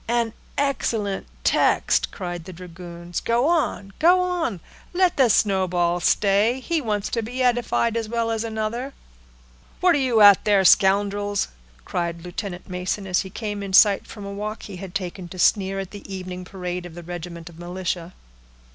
"An excellent text!" cried the dragoons. "Go on—go on—let the snowball stay; he wants to be edified as well as another." "What are you at there, scoundrels?" cried Lieutenant Mason, as he came in sight from a walk he had taken to sneer at the evening parade of the regiment of militia.